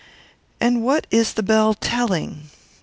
And what is the Bell telling?